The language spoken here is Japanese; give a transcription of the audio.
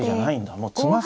もう詰ますんだ。